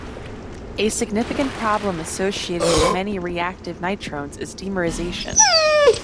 A significant problem associated with many reactive nitrones is dimerization.